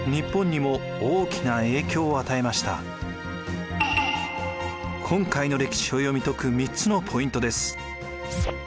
今回の歴史を読み解く３つのポイントです。